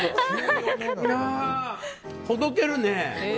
ほどけるね！